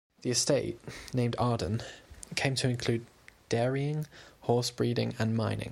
The estate, named Arden, came to include dairying, horse breeding and mining.